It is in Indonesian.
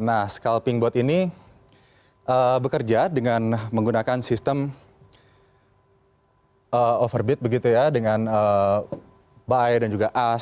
nah scalping bot ini bekerja dengan menggunakan sistem overbit begitu ya dengan buy dan juga as